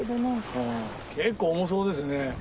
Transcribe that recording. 結構重そうですね。